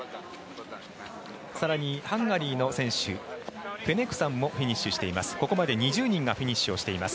更に、ハンガリーの選手フェネクサンもフィニッシュしています。